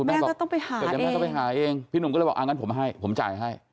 แม่ก็ต้องไปหาเองแม่ก็ต้องไปหาเองพี่หนุ่มก็เลยบอกอ้างั้นผมให้ผมจ่ายให้